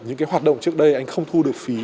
những cái hoạt động trước đây anh không thu được phí